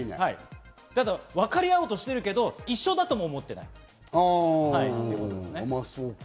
わかり合おうとしているけど、一緒だとも思っていないということですね。